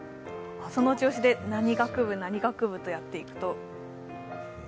その調子で何学部、何学部とやっていくと？